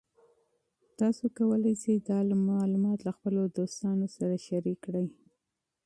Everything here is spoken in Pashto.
تاسو کولی شئ دا معلومات له خپلو دوستانو سره شریک کړئ.